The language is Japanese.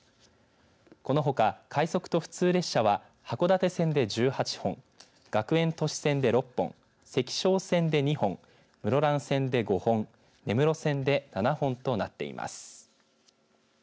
このほか快速と普通列車は函館線で１８本学園都市線で６本石勝線で２本室蘭線で５本根室線で７本となっています。